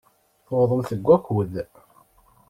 Tuwḍemt deg wakud.